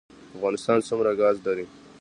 افغانستان څومره ګاز لري؟